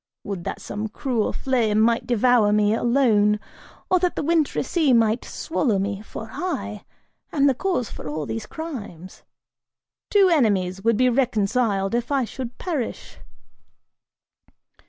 Would that some cruel flame might devour me, alone, or that the wintry sea might swallow me, for I am the cause for all these crimes. Two enemies would be reconciled if I should perish!"